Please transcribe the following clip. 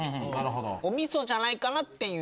おみそじゃないかな？っていう。